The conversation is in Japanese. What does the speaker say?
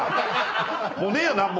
もうねえよ何も。